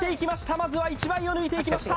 まずは１枚を抜いていきました